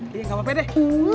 nggak apa apa deh